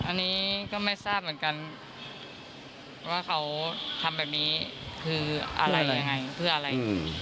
อันนี้ก็ไม่ทราบเหมือนกันว่าเขาทำแบบนี้คืออะไรหรือยังไงเพื่ออะไร